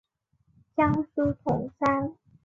江苏铜山。